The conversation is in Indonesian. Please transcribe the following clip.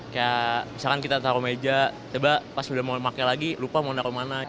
kayak misalkan kita taruh meja coba pas udah mau pakai lagi lupa mau naruh mana